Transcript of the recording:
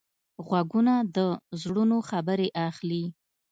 غوږونه د زړونو خبرې اخلي